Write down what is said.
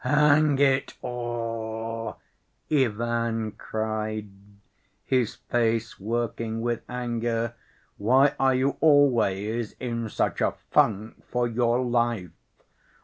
"Hang it all!" Ivan cried, his face working with anger, "why are you always in such a funk for your life?